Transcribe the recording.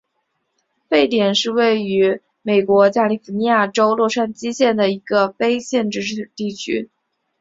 沸点是位于美国加利福尼亚州洛杉矶县的一个非建制地区。